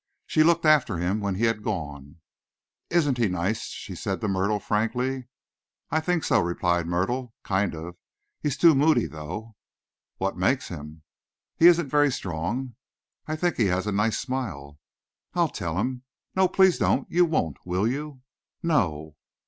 She looked after him when he had gone. "Isn't he nice?" she said to Myrtle frankly. "I think so," replied Myrtle; "kind o'. He's too moody, though." "What makes him?" "He isn't very strong." "I think he has a nice smile." "I'll tell him!" "No, please don't! You won't, will you?" "No."